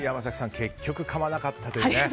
結局、かまなかったという。